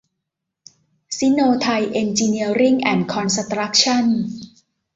ซิโน-ไทย เอ็นจีเนียริ่งแอนด์คอนสตรัคชั่น